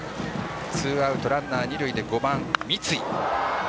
ツーアウト、ランナー、二塁で５番・三井。